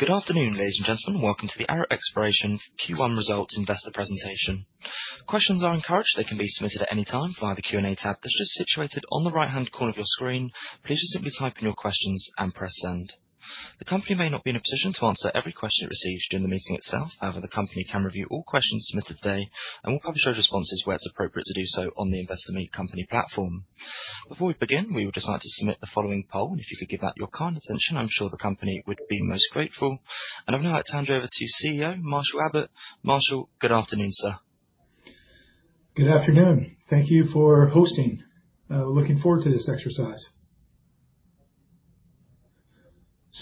Good afternoon, ladies and gentlemen. Welcome to the Arrow Exploration Q1 Results Investor Presentation. Questions are encouraged. They can be submitted at any time via the Q&A tab that's just situated on the right-hand corner of your screen. Please just simply type in your questions and press send. The company may not be in a position to answer every question it receives during the meeting itself. The company can review all questions submitted today, and we'll publish those responses where it's appropriate to do so on the Investor Meet Company platform. Before we begin, we would just like to submit the following poll, and if you could give that your kind attention, I'm sure the company would be most grateful. I'd now like to hand you over to CEO Marshall Abbott. Marshall, good afternoon, sir. Good afternoon. Thank you for hosting. Looking forward to this exercise.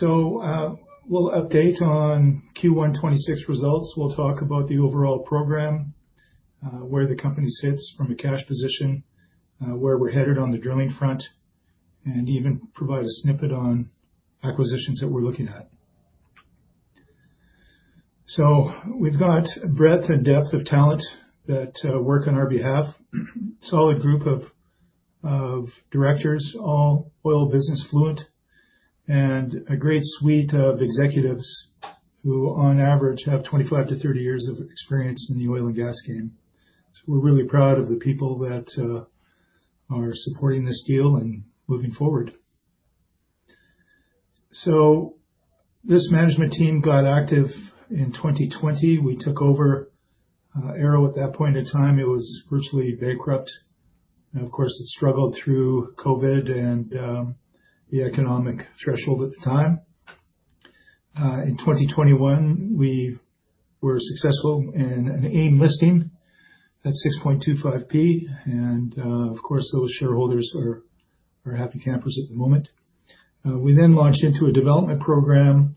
We'll update on Q1 2026 results. We'll talk about the overall program, where the company sits from a cash position, where we're headed on the drilling front, and even provide a snippet on acquisitions that we're looking at. We've got a breadth and depth of talent that work on our behalf. Solid group of directors, all oil business fluent, and a great suite of executives who on average have 25-30 years of experience in the oil and gas game. We're really proud of the people that are supporting this deal and moving forward. This management team got active in 2020. We took over Arrow at that point in time. It was virtually bankrupt, and of course, it struggled through COVID and the economic threshold at the time. In 2021, we were successful in an AIM listing at 0.0625, of course, those shareholders are happy campers at the moment. We launched into a development program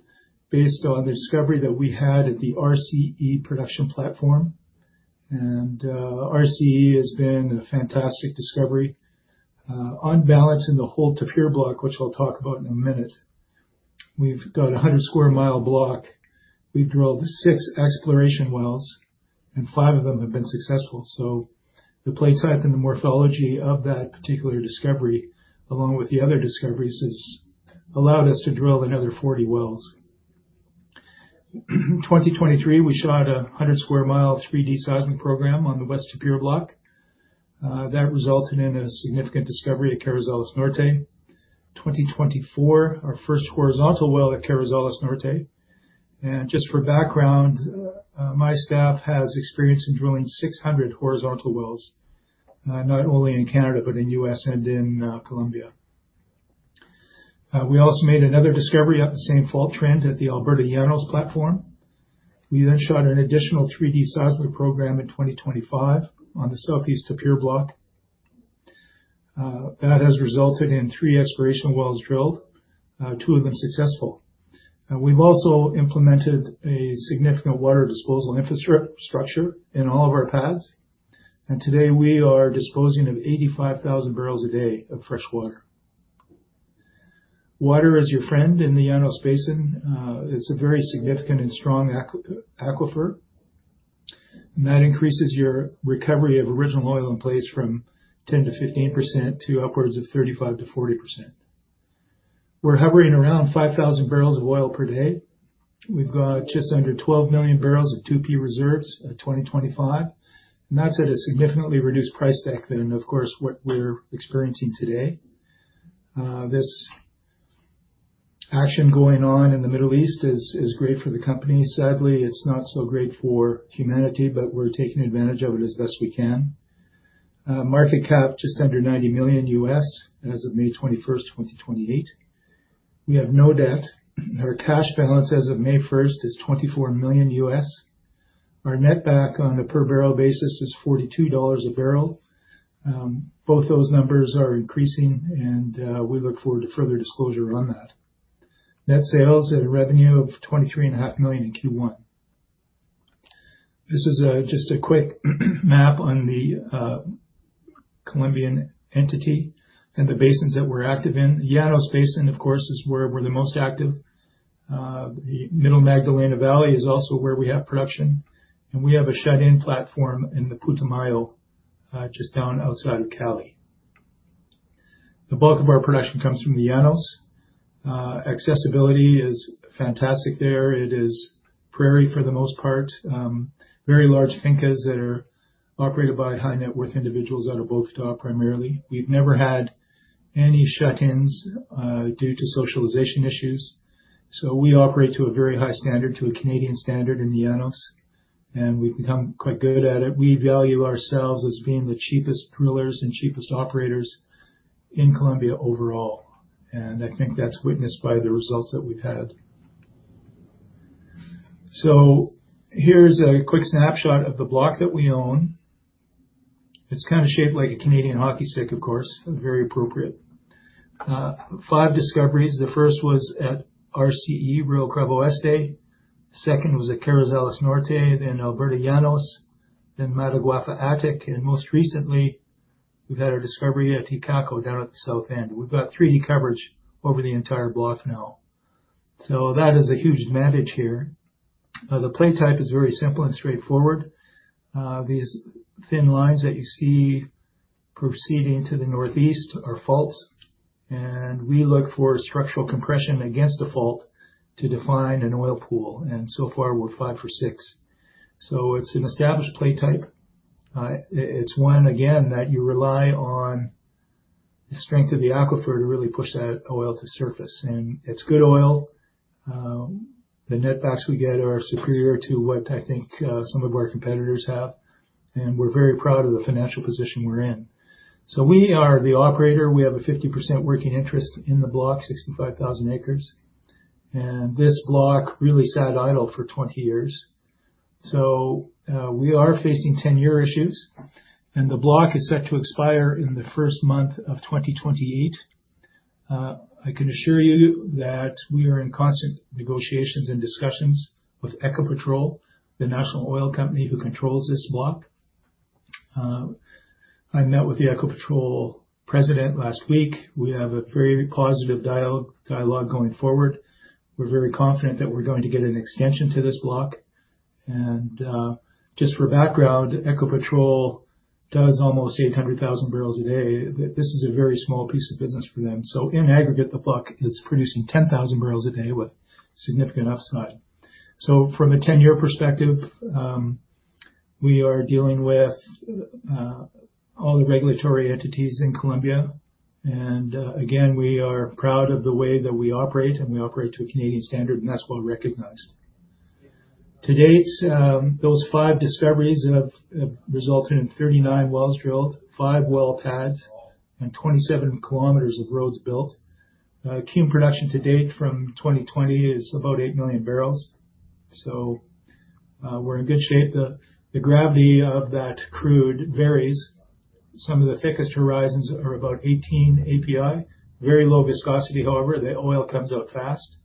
based on the discovery that we had at the RCE production platform. RCE has been a fantastic discovery. On balance in the whole Tapir Block, which I'll talk about in a minute, we've got a 100 sq mi block. We've drilled six exploration wells and five of them have been successful. The play type and the morphology of that particular discovery along with the other discoveries has allowed us to drill another 40 wells. In 2023, we shot a 100 sq mi 3D seismic program on the West Tapir Block, that resulted in a significant discovery at Carrizales Norte. In 2024, our first horizontal well at Carrizales Norte. Just for background, my staff has experience in drilling 600 horizontal wells, not only in Canada but in U.S. and in Colombia. We also made another discovery at the same fault trend at the Alberta Llanos platform. We shot an additional 3D seismic program in 2025 on the Southeast Tapir Block. That has resulted in three exploration wells drilled, two of them successful. We've also implemented a significant water disposal infrastructure in all of our pads, and today we are disposing of 85,000 bpd of fresh water. Water is your friend in the Llanos Basin. It's a very significant and strong aquifer, and that increases your recovery of original oil in place from 10%-15% to upwards of 35%-40%. We're hovering around 5,000 bpd of oil. We've got just under 12 million barrels of 2P reserves at 2025. That's at a significantly reduced price deck than, of course, what we're experiencing today. This action going on in the Middle East is great for the company. Sadly, it's not so great for humanity. We're taking advantage of it as best we can. Market cap just under $90 million as of May 21st, 2028. We have no debt. Our cash balance as of May 1st is $24 million. Our netback on a per barrel basis is $42 a barrel. Both those numbers are increasing. We look forward to further disclosure on that. Net sales at a revenue of $23.5 million in Q1. This is just a quick map on the Colombian entity and the basins that we're active in. The Llanos Basin, of course, is where we're the most active. The Middle Magdalena Valley is also where we have production, and we have a shut-in platform in the Putumayo, just down outside of Cali. The bulk of our production comes from the Llanos. Accessibility is fantastic there. It is prairie for the most part. Very large fincas that are operated by high-net-worth individuals that are Bogotá primarily. We've never had any shut-ins due to socialization issues. We operate to a very high standard, to a Canadian standard in the Llanos, and we've become quite good at it. We value ourselves as being the cheapest drillers and cheapest operators in Colombia overall, and I think that's witnessed by the results that we've had. Here's a quick snapshot of the block that we own. It's kind of shaped like a Canadian hockey stick, of course, very appropriate. Five discoveries. The first was at RCE, Rio Cravo Este. The second was at Carrizales Norte, then Alberta Llanos, then Mateguafa Attic. Most recently, we've had a discovery at Icaco down at the south end. We've got 3D coverage over the entire block now. That is a huge advantage here. The play type is very simple and straightforward. These thin lines that you see proceeding to the northeast are faults. We look for structural compression against a fault to define an oil pool. So far, we're five for six. It's an established play type. It's one, again, that you rely on the strength of the aquifer to really push that oil to surface. It's good oil. The netbacks we get are superior to what I think some of our competitors have. We're very proud of the financial position we're in. We are the operator. We have a 50% working interest in the block, 65,000 acres. This block really sat idle for 20 years. We are facing tenure issues, and the block is set to expire in the first month of 2028. I can assure you that we are in constant negotiations and discussions with Ecopetrol, the national oil company who controls this block. I met with the Ecopetrol president last week. We have a very positive dialogue going forward. We're very confident that we're going to get an extension to this block. Just for background, Ecopetrol does almost 800,000 bpd. This is a very small piece of business for them. In aggregate, the block is producing 10,000 bpd with significant upside. From a tenure perspective, we are dealing with all the regulatory entities in Colombia. Again, we are proud of the way that we operate, and we operate to a Canadian standard, and that's well recognized. To date, those five discoveries have resulted in 39 wells drilled, five well pads, and 27 km of roads built. Cum production to date from 2020 is about 8 million barrels. We're in good shape. The gravity of that crude varies. Some of the thickest horizons are about 18 API. Very low viscosity, however, the oil comes up fast.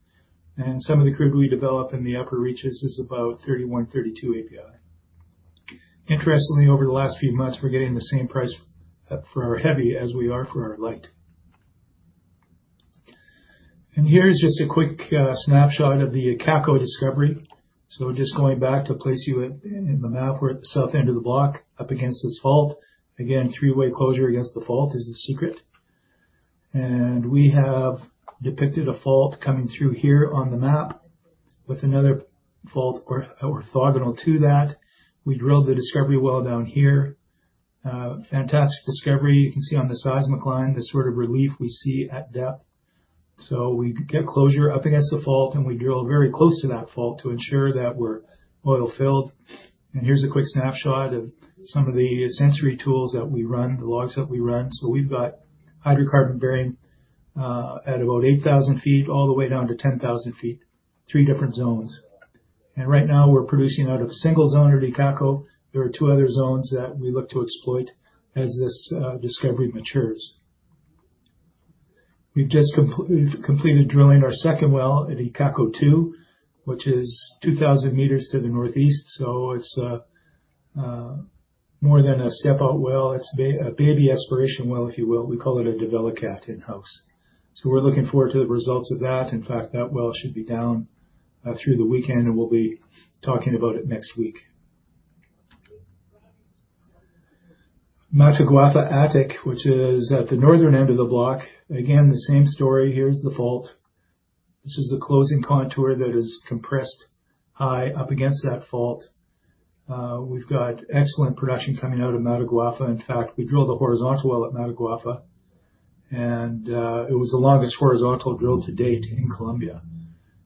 Some of the crude we develop in the upper reaches is about 31, 32 API. Interestingly, over the last few months, we're getting the same price for our heavy as we are for our light. Here is just a quick snapshot of the Icaco discovery. Just going back to place you in the map, we're at the south end of the block up against this fault. Again, three-way closure against the fault is the secret. We have depicted a fault coming through here on the map with another fault orthogonal to that. We drilled the discovery well down here. Fantastic discovery. You can see on the seismic line the sort of relief we see at depth. We get closure up against the fault, and we drill very close to that fault to ensure that we're oil-filled. Here's a quick snapshot of some of the sensory tools that we run, the logs that we run. We've got hydrocarbon bearing at about 8,000 ft all the way down to 10,000 ft, three different zones. Right now we're producing out of a single zone or Icaco. There are two other zones that we look to exploit as this discovery matures. We've just completed drilling our second well at Icaco-2, which is 2,000 meters to the northeast. It's more than a step-out well. It's a baby exploration well, if you will. We call it a in-house. We're looking forward to the results of that. In fact, that well should be down through the weekend, and we'll be talking about it next week. Mateguafa Attic, which is at the northern end of the block. Again, the same story. Here is the fault. This is the closing contour that is compressed high up against that fault. We've got excellent production coming out of Mateguafa. In fact, we drilled a horizontal well at Mateguafa, and it was the longest horizontal drill to date in Colombia.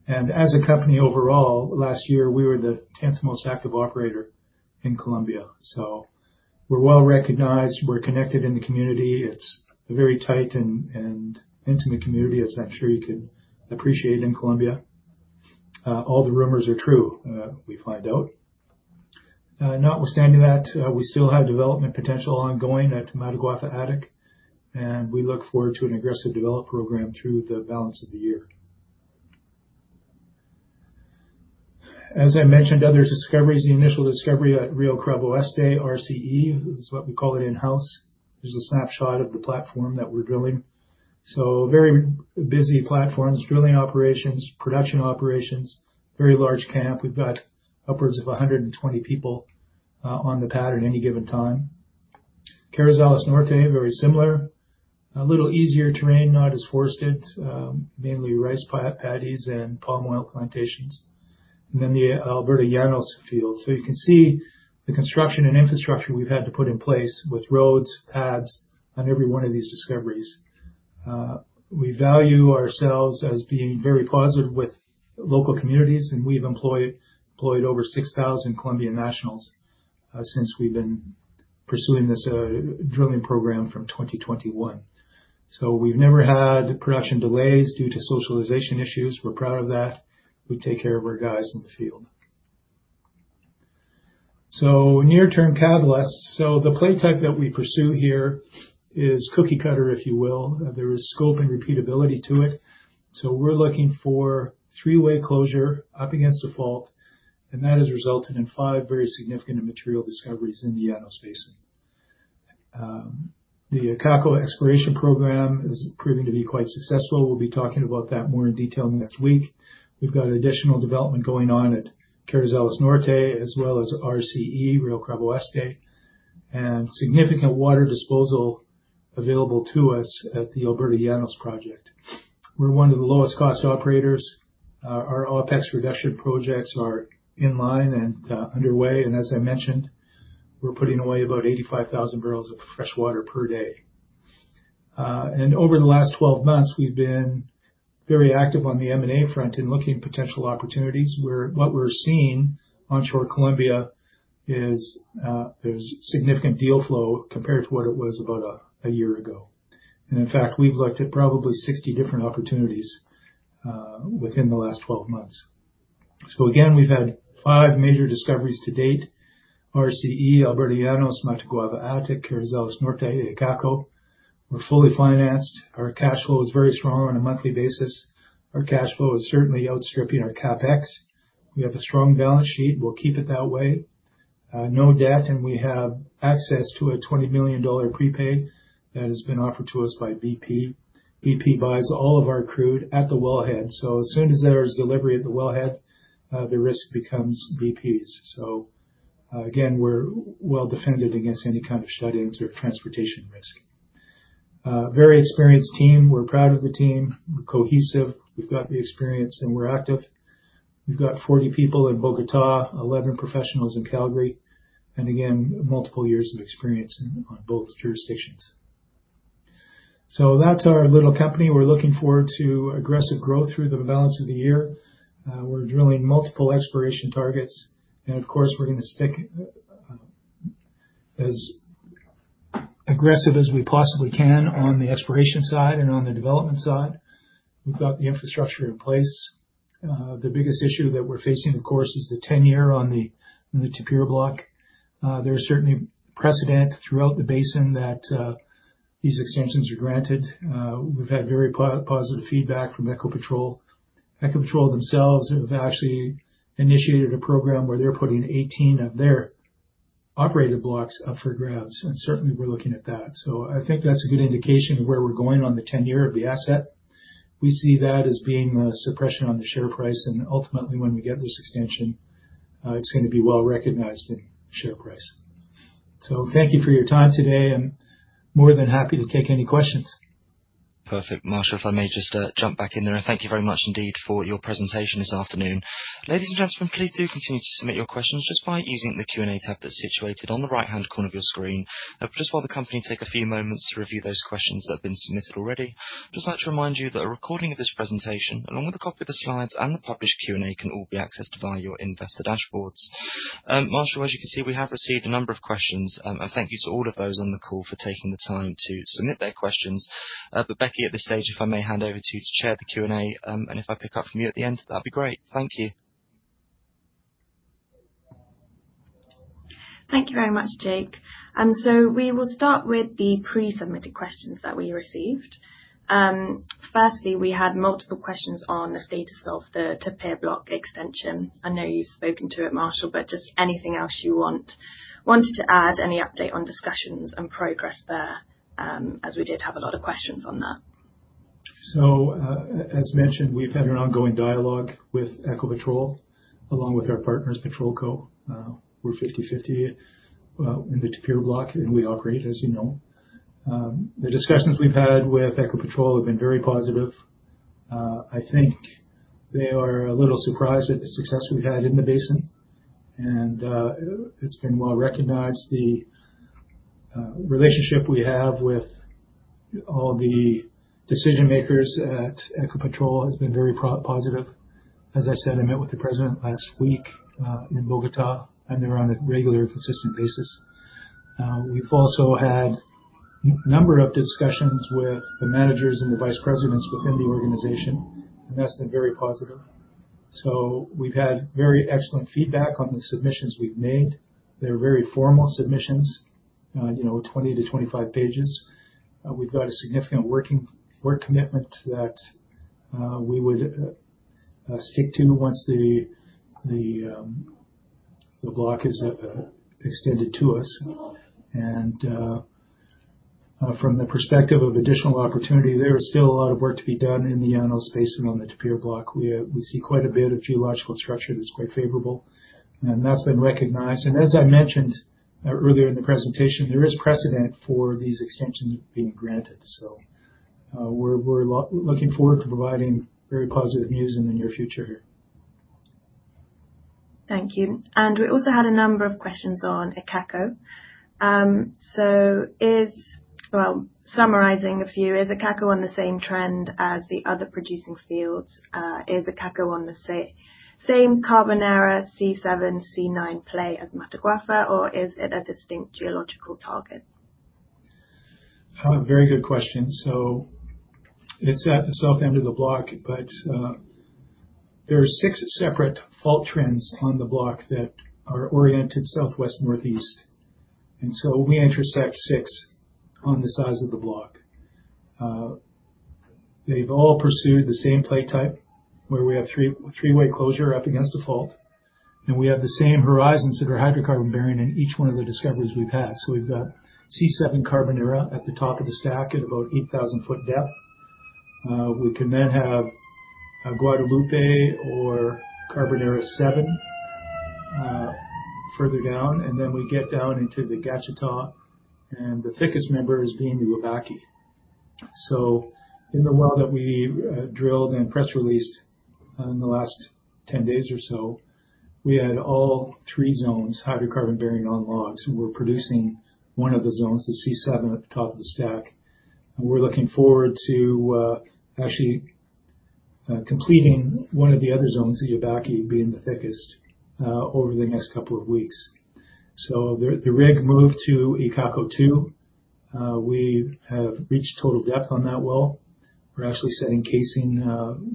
As a company overall, last year we were the 10th most active operator in Colombia. We're well-recognized. We're connected in the community. It's a very tight and intimate community, as I'm sure you can appreciate in Colombia. All the rumors are true, we find out. Notwithstanding that, we still have development potential ongoing at Mateguafa Attic, and we look forward to an aggressive develop program through the balance of the year. As I mentioned, other discoveries, the initial discovery at Rio Cravo Este, RCE, is what we call it in-house. There's a snapshot of the platform that we're drilling. Very busy platforms, drilling operations, production operations, very large camp. We've got upwards of 120 people on the pad at any given time. Carrizales Norte, very similar. A little easier terrain, not as forested, mainly rice paddies and palm oil plantations. Then the Alberta Llanos field. You can see the construction and infrastructure we've had to put in place with roads, pads on every one of these discoveries. We value ourselves as being very positive with local communities, and we've employed over 6,000 Colombian nationals since we've been pursuing this drilling program from 2021. We've never had production delays due to socialization issues. We're proud of that. We take care of our guys in the field. Near-term catalysts. The play type that we pursue here is cookie cutter, if you will. There is scope and repeatability to it. We're looking for three-way closure up against a fault, and that has resulted in five very significant and material discoveries in the Llanos Basin. The Icaco exploration program is proving to be quite successful. We'll be talking about that more in detail next week. We've got additional development going on at Carrizales Norte as well as RCE, Rio Cravo Este, and significant water disposal available to us at the El Burde Llanos project. We're one of the lowest cost operators. Our OpEx reduction projects are in line and underway, as I mentioned, we're putting away about 85,000 bbl of fresh water per day. Over the last 12 months, we've been very active on the M&A front in looking at potential opportunities, where what we're seeing onshore Colombia is significant deal flow compared to what it was about a year ago. In fact, we've looked at probably 60 different opportunities within the last 12 months. Again, we've had five major discoveries to date, RCE, El Burde Llanos, Mateguafa Attic, Carrizales Norte, Icaco. We're fully financed. Our cash flow is very strong on a monthly basis. Our cash flow is certainly outstripping our CapEx. We have a strong balance sheet. We'll keep it that way. No debt, and we have access to a $20 million prepaid that has been offered to us by BP. BP buys all of our crude at the wellhead, so as soon as there is delivery at the wellhead, the risk becomes BP's. Again, we're well defended against any kind of shut-ins or transportation risk. Very experienced team. We're proud of the team. We're cohesive. We've got the experience, and we're active. We've got 40 people in Bogotá, 11 professionals in Calgary, and again, multiple years of experience on both jurisdictions. That's our little company. We're looking forward to aggressive growth through the balance of the year. We're drilling multiple exploration targets. Of course, we're going to stick as aggressive as we possibly can on the exploration side and on the development side. We've got the infrastructure in place. The biggest issue that we're facing, of course, is the tenure on the Tapir Block. There's certainly precedent throughout the basin that these extensions are granted. We've had very positive feedback from Ecopetrol. Ecopetrol themselves have actually initiated a program where they're putting 18 of their operated blocks up for grabs. Certainly, we're looking at that. I think that's a good indication of where we're going on the tenure of the asset. We see that as being a suppression on the share price. Ultimately, when we get this extension, it's going to be well recognized in share price. Thank you for your time today. I'm more than happy to take any questions. Perfect. Marshall, if I may just jump back in there. Thank you very much indeed for your presentation this afternoon. Ladies and gentlemen, please do continue to submit your questions just by using the Q&A tab that's situated on the right-hand corner of your screen. Just while the company take a few moments to review those questions that have been submitted already, just like to remind you that a recording of this presentation, along with a copy of the slides and the published Q&A, can all be accessed via your investor dashboards. Marshall, as you can see, we have received a number of questions, and thank you to all of those on the call for taking the time to submit their questions. Becky, at this stage, if I may hand over to you to chair the Q&A, and if I pick up from you at the end, that'd be great. Thank you. Thank you very much, Jake. We will start with the pre-submitted questions that we received. Firstly, we had multiple questions on the status of the Tapir Block extension. I know you've spoken to it, Marshall, but just anything else you wanted to add, any update on discussions and progress there, as we did have a lot of questions on that. As mentioned, we've had an ongoing dialogue with Ecopetrol, along with our partners, Petrolco. We're 50/50 in the Tapir Block, and we operate, as you know. The discussions we've had with Ecopetrol have been very positive. I think they are a little surprised at the success we've had in the basin. It's been well recognized, the relationship we have with all the decision makers at Ecopetrol has been very positive. As I said, I met with the president last week in Bogotá, and they're on a regular, consistent basis. We've also had a number of discussions with the managers and the vice presidents within the organization, and that's been very positive. We've had very excellent feedback on the submissions we've made. They're very formal submissions, 20 pages to 25 pages. We've got a significant work commitment that we would stick to once the Block is extended to us. From the perspective of additional opportunity, there is still a lot of work to be done in the Llanos Basin on the Tapir Block. We see quite a bit of geological structure that's quite favorable, and that's been recognized. As I mentioned earlier in the presentation, there is precedent for these extensions being granted. We're looking forward to providing very positive news in the near future here. Thank you. We also had a number of questions on Icaco. Well, summarizing a few, is Icaco on the same trend as the other producing fields? Is Icaco on the same Carbonera C7, C9 play as Mateguafa, or is it a distinct geological target? Very good question. It's at the south end of the block, but there are six separate fault trends on the block that are oriented southwest-northeast. We intersect six on the size of the block. They've all pursued the same play type, where we have three-way closure up against the fault, and we have the same horizons that are hydrocarbon bearing in each one of the discoveries we've had. We've got C7 Carbonera at the top of the stack at about 8,000 ft depth. We can then have Guadalupe or Carbonera 7 further down, and then we get down into the Gacheta, and the thickest member is being the Ubaque. In the well that we drilled and press released in the last 10 days or so, we had all three zones, hydrocarbon-bearing on logs, and we're producing one of the zones, the C7, at the top of the stack. We're looking forward to actually completing one of the other zones, the Ubaque being the thickest, over the next couple of weeks. The rig moved to Icaco-2. We have reached total depth on that well. We're actually setting casing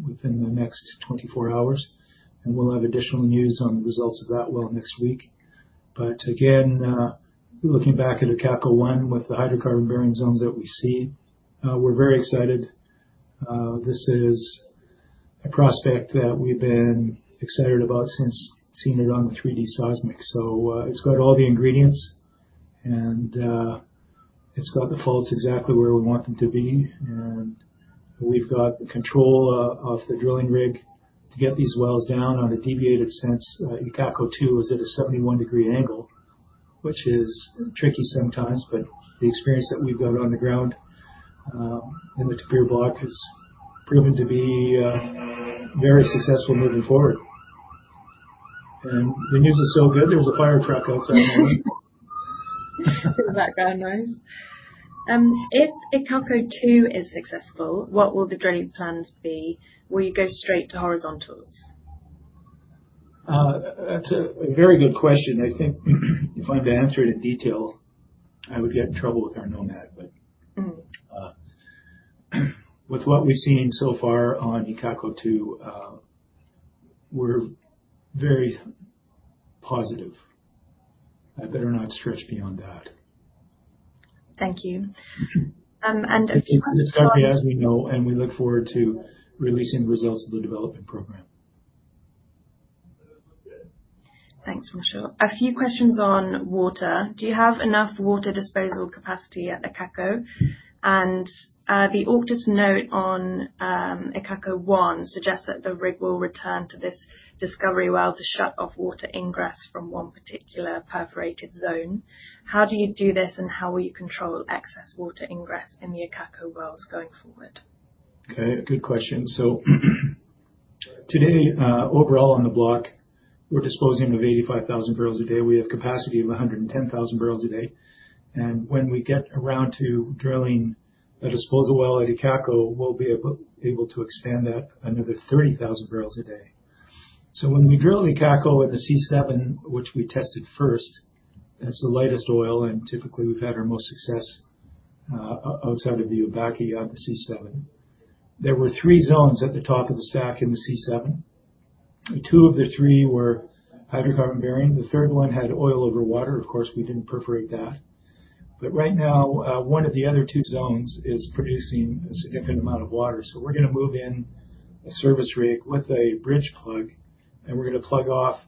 within the next 24 hours, and we'll have additional news on the results of that well next week. Again, looking back at Icaco-1, with the hydrocarbon-bearing zones that we see, we're very excited. This is a prospect that we've been excited about since seeing it on the 3D seismic. It's got all the ingredients, and it's got the faults exactly where we want them to be. We've got the control of the drilling rig to get these wells down on a deviated sense. Icaco-2 is at a 71-degree angle, which is tricky sometimes, but the experience that we've got on the ground in the Tapir Block has proven to be very successful moving forward. The news is so good there's a fire truck outside. The background noise. If Icaco-2 is successful, what will the drilling plans be? Will you go straight to horizontals? That's a very good question. I think if I'm to answer it in detail, I would get in trouble with our NOMAD with what we've seen so far on Icaco-2, we're very positive. I better not stretch beyond that. Thank you. A few questions. It's going as we know, and we look forward to releasing results of the development program. Thanks, Marshall. A few questions on water. Do you have enough water disposal capacity at Icaco? The August note on Icaco-1 suggests that the rig will return to this discovery well to shut off water ingress from one particular perforated zone. How do you do this, and how will you control excess water ingress in the Icaco wells going forward? Good question. Today, overall on the block, we're disposing of 85,000 bpd. We have capacity of 110,000 bpd. When we get around to drilling the disposal well at Icaco, we'll be able to expand that another 30,000 bpd. When we drill Icaco at the C7, which we tested first, that's the lightest oil, and typically we've had our most success outside of the Ubaque on the C7. There were three zones at the top of the stack in the C7. Two of the three were hydrocarbon-bearing. The third one had oil over water. Of course, we didn't perforate that. Right now, one of the other two zones is producing a significant amount of water. We're going to move in a service rig with a bridge plug, and we're going to plug off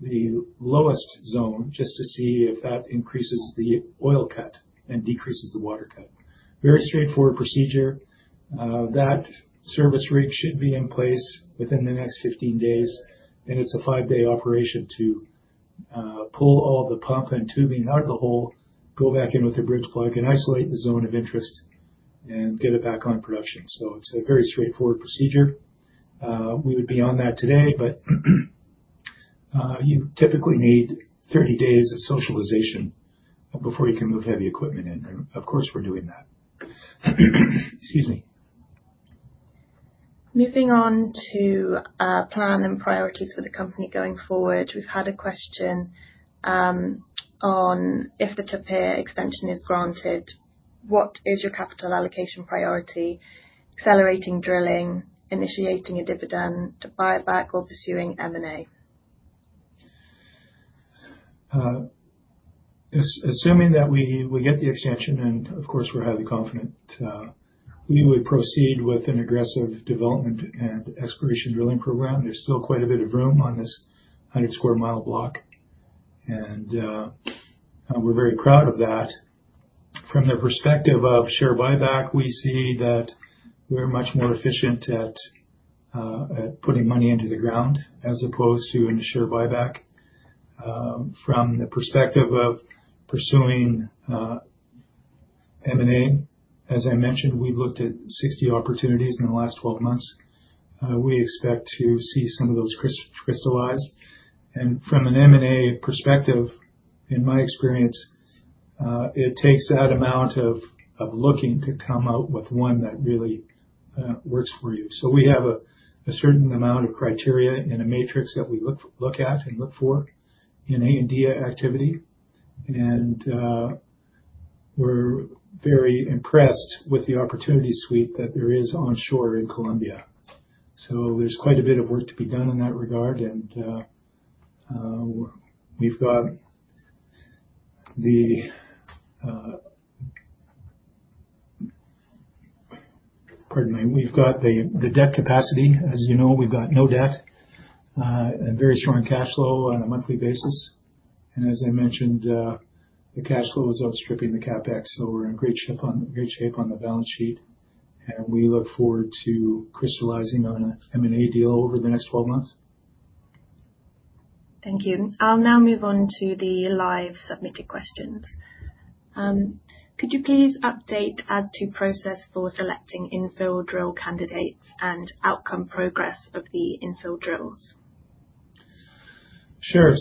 the lowest zone just to see if that increases the oil cut and decreases the water cut. Very straightforward procedure. That service rig should be in place within the next 15 days, and it's a five-day operation to pull all the pump and tubing out of the hole, go back in with a bridge plug, and isolate the zone of interest and get it back on production. It's a very straightforward procedure. We would be on that today, but you typically need 30 days of socialization before you can move heavy equipment in. Of course, we're doing that. Excuse me. Moving on to plan and priorities for the company going forward. We've had a question on if the Tapir extension is granted, what is your capital allocation priority? Accelerating drilling, initiating a dividend, buyback or pursuing M&A? Assuming that we get the extension, and of course, we're highly confident, we would proceed with an aggressive development and exploration drilling program. There's still quite a bit of room on this 100 sq mi block, and we're very proud of that. From the perspective of share buyback, we see that we're much more efficient at putting money into the ground as opposed to into share buyback. From the perspective of pursuing M&A, as I mentioned, we've looked at 60 opportunities in the last 12 months. We expect to see some of those crystallize. From an M&A perspective, in my experience, it takes that amount of looking to come out with one that really works for you. We have a certain amount of criteria and a matrix that we look at and look for in A&D activity, and we're very impressed with the opportunity suite that there is onshore in Colombia. There's quite a bit of work to be done in that regard, and we've got the debt capacity. As you know, we've got no debt, and very strong cash flow on a monthly basis. As I mentioned, the cash flow is outstripping the CapEx, we're in great shape on the balance sheet, and we look forward to crystallizing on an M&A deal over the next 12 months. Thank you. I'll now move on to the live submitted questions. Could you please update as to process for selecting infill drill candidates and outcome progress of the infill drills? Sure.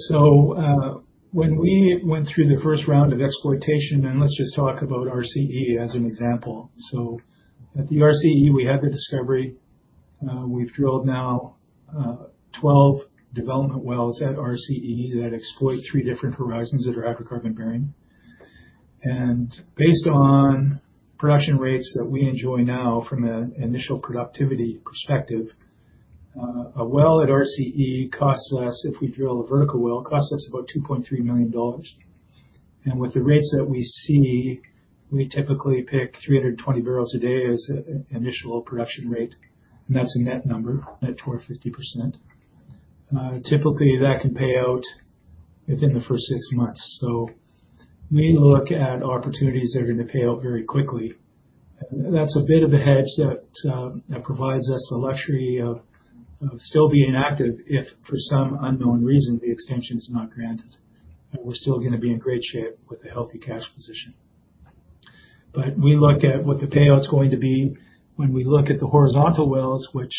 When we went through the first round of exploitation, let's just talk about RCE as an example. At the RCE, we had the discovery. We've drilled now 12 development wells at RCE that exploit three different horizons that are hydrocarbon bearing. Based on production rates that we enjoy now from an initial productivity perspective, a well at RCE costs less if we drill a vertical well, costs us about $2.3 million. With the rates that we see, we typically pick 320 bpd as an initial production rate, and that's a net number, net toward 50%. Typically, that can pay out within the first six months. That's a bit of a hedge that provides us the luxury of still being active if for some unknown reason, the extension is not granted. We're still going to be in great shape with a healthy cash position. We look at what the payout's going to be when we look at the horizontal wells, which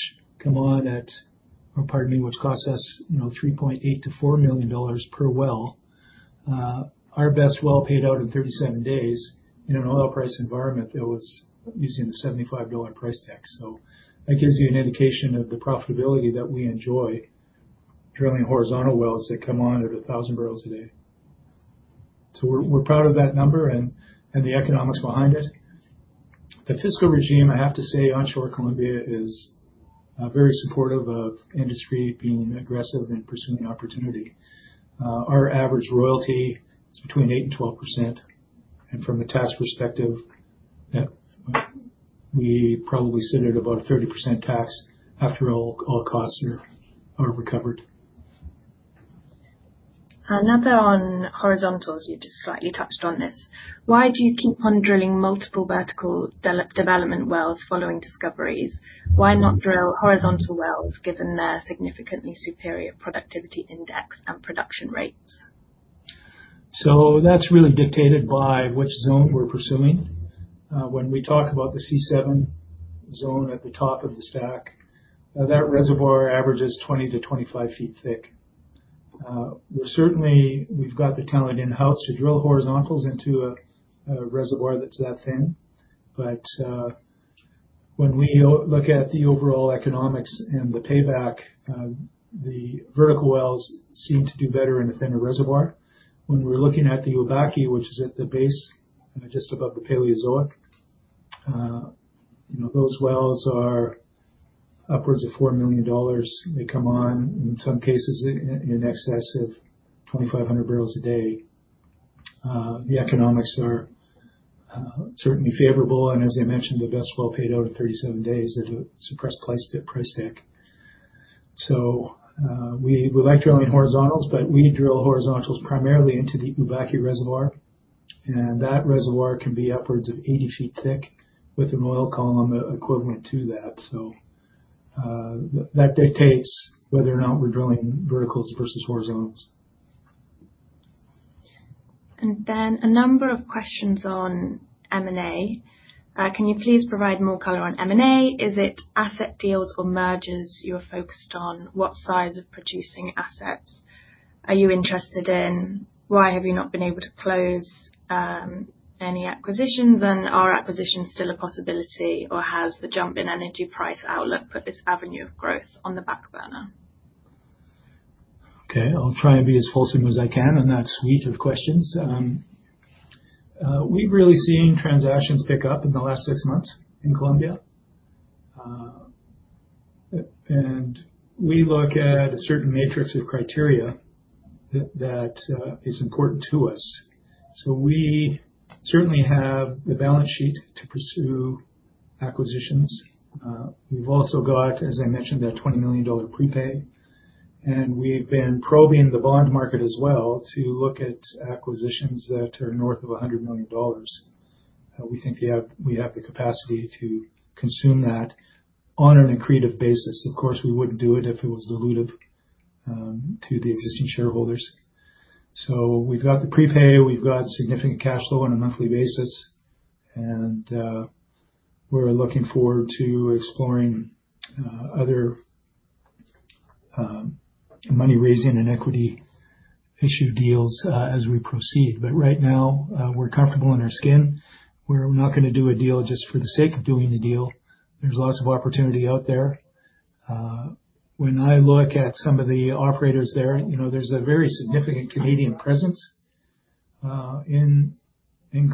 cost us $3.8 million-$4 million per well. Our best well paid out in 37 days in an oil price environment that was using the $75 price tag. That gives you an indication of the profitability that we enjoy drilling horizontal wells that come on at 1,000 bpd. We're proud of that number and the economics behind it. The fiscal regime, I have to say, onshore Colombia is very supportive of industry being aggressive in pursuing opportunity. Our average royalty is between 8% and 12%, and from a tax perspective, we probably sit at about a 30% tax after all costs are recovered. Another on horizontals, you just slightly touched on this. Why do you keep on drilling multiple vertical development wells following discoveries? Why not drill horizontal wells given their significantly superior productivity index and production rates? That's really dictated by which zone we're pursuing. When we talk about the C7 zone at the top of the stack, that reservoir averages 20 ft-25 ft thick. Certainly, we've got the talent in-house to drill horizontals into a reservoir that's that thin. When we look at the overall economics and the payback, the vertical wells seem to do better in a thinner reservoir. When we're looking at the Ubaque, which is at the base, just above the Paleozoic, those wells are upwards of $4 million. They come on, in some cases, in excess of 2,500 bpd. The economics are certainly favorable, and as I mentioned, the best well paid out in 37 days at a suppressed price tag. We like drilling horizontals, but we drill horizontals primarily into the Ubaque Reservoir, and that reservoir can be upwards of 80 ft thick with an oil column equivalent to that. That dictates whether or not we're drilling verticals versus horizontals. Then a number of questions on M&A. Can you please provide more color on M&A? Is it asset deals or mergers you're focused on? What size of producing assets are you interested in? Why have you not been able to close any acquisitions? Are acquisitions still a possibility, or has the jump in energy price outlook put this avenue of growth on the back burner? Okay. I'll try and be as fulsome as I can on that suite of questions. We've really seen transactions pick up in the last six months in Colombia. We look at a certain matrix of criteria that is important to us. We certainly have the balance sheet to pursue acquisitions. We've also got, as I mentioned, that $20 million prepay, and we've been probing the bond market as well to look at acquisitions that are north of $100 million. We think we have the capacity to consume that on an accretive basis. Of course, we wouldn't do it if it was dilutive to the existing shareholders. We've got the prepay, we've got significant cash flow on a monthly basis, and we're looking forward to exploring other money-raising and equity issue deals as we proceed. Right now, we're comfortable in our skin. We're not going to do a deal just for the sake of doing a deal. There's lots of opportunity out there. When I look at some of the operators there's a very significant Canadian presence in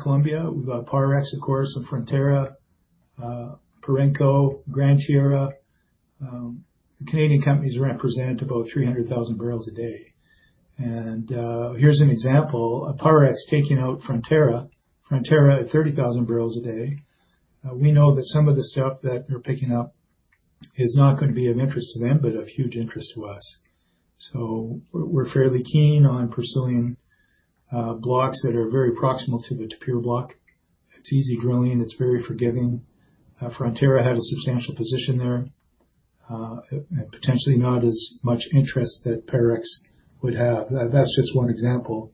Colombia. We've got Parex, of course, and Frontera, Perenco, Gran Tierra. The Canadian companies represent about 300,000 bpd. Here's an example. Parex taking out Frontera at 30,000 bpd. We know that some of the stuff that they're picking up is not going to be of interest to them, but of huge interest to us. We're fairly keen on pursuing blocks that are very proximal to the Tapir Block. It's easy drilling. It's very forgiving. Frontera had a substantial position there, and potentially not as much interest that Parex would have. That's just one example.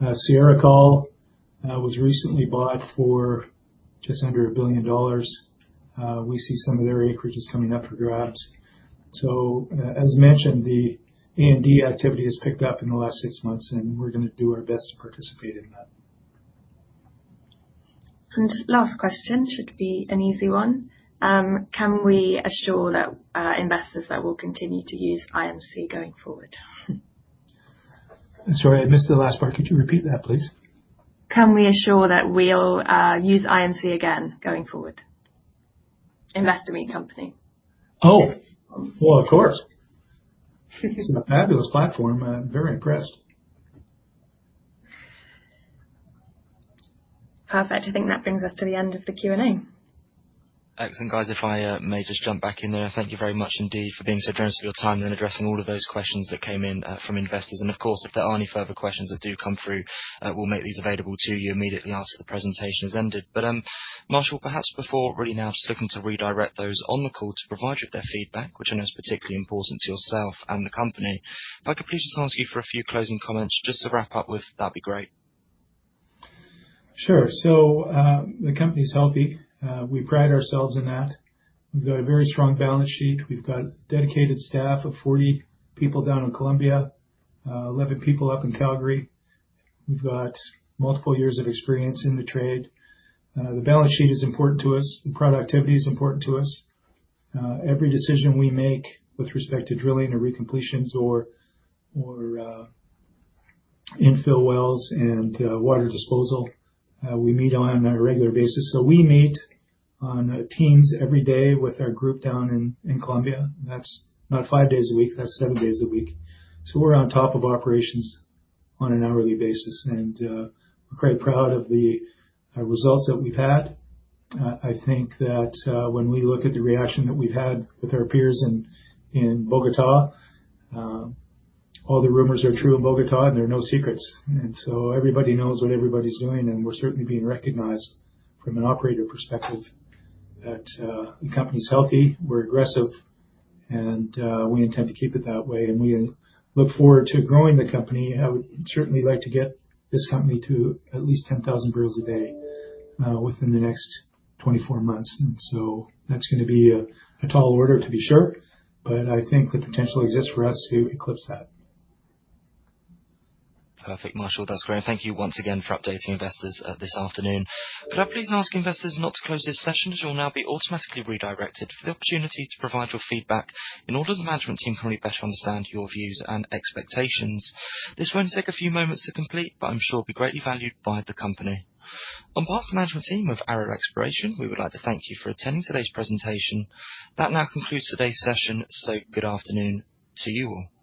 SierraCol Energy was recently bought for just under $1 billion. We see some of their acreages coming up for grabs. As mentioned, the A&D activity has picked up in the last six months, and we're going to do our best to participate in that. Last question. Should be an easy one. Can we assure that our investors that will continue to use IMC going forward? Sorry, I missed the last part. Could you repeat that, please? Can we assure that we'll use IMC again going forward? Investor Meet Company. Oh, well, of course. It's a fabulous platform. I'm very impressed. Perfect. I think that brings us to the end of the Q&A. Excellent, guys. If I may just jump back in there. Thank you very much indeed for being so generous with your time and addressing all of those questions that came in from investors. Of course, if there are any further questions that do come through, we'll make these available to you immediately after the presentation has ended. Marshall, perhaps before really now just looking to redirect those on the call to provide you with their feedback, which I know is particularly important to yourself and the company, if I could please just ask you for a few closing comments just to wrap up with, that'd be great. Sure. The company's healthy. We pride ourselves in that. We've got a very strong balance sheet. We've got dedicated staff of 40 people down in Colombia, 11 people up in Calgary. We've got multiple years of experience in the trade. The balance sheet is important to us. Productivity is important to us. Every decision we make with respect to drilling or re-completions or infill wells and water disposal, we meet on a regular basis. We meet on Teams every day with our group down in Colombia. That's not five days a week. That's seven days a week. We're on top of operations on an hourly basis, and we're quite proud of the results that we've had. I think that when we look at the reaction that we've had with our peers in Bogotá, all the rumors are true in Bogotá, and there are no secrets. Everybody knows what everybody's doing, and we're certainly being recognized from an operator perspective that the company's healthy, we're aggressive, and we intend to keep it that way. We look forward to growing the company. I would certainly like to get this company to at least 10,000 bpd within the next 24 months. That's going to be a tall order for sure, but I think the potential exists for us to eclipse that. Perfect, Marshall. That's great. Thank you once again for updating investors this afternoon. Could I please ask investors not to close this session, as you will now be automatically redirected for the opportunity to provide your feedback in order the management team can really better understand your views and expectations. This will only take a few moments to complete, but I'm sure it'll be greatly valued by the company. On behalf of the management team of Arrow Exploration, we would like to thank you for attending today's presentation. That now concludes today's session, so good afternoon to you all.